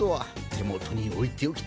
手元に置いておきたい。